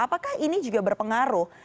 apakah ini juga berpengaruh